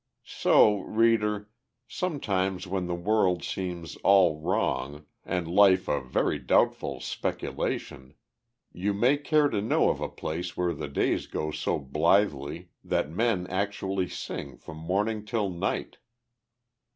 So, reader, sometimes when the world seems all wrong, and life a very doubtful speculation, you may care to know of a place where the days go so blithely that men actually sing from morning till night!